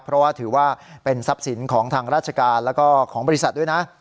เพราะว่าถือว่าเป็นทรัพย์สินของทางราชการแล้วก็ของบริษัทด้วยนะ